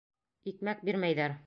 Икмәк бирмәйҙәр.